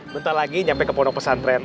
bentar lagi nyampe ke pondok pesantren